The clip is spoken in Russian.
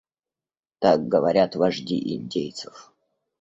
Так говорят вожди индейцев.